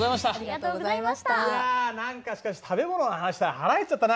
いや何かしかし食べ物の話してたら腹減っちゃったな。